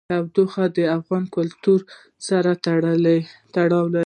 تودوخه د افغان کلتور سره تړاو لري.